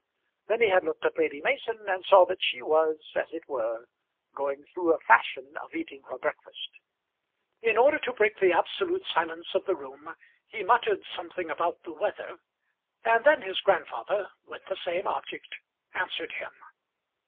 Then he had looked at Lady Mason, and saw that she was, as it were, going through a fashion of eating her breakfast. In order to break the absolute silence of the room he muttered something about the weather, and then his grandfather, with the same object, answered him.